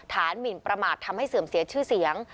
หมินประมาททำให้เสื่อมเสียชื่อเสียง